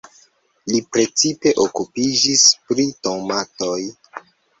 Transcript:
Li precipe okupiĝis pri tomatoj.